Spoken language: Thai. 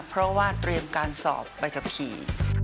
เพราะว่าเตรียมการสอบใบขับขี่